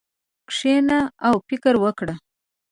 کښېنه او فکر وکړه.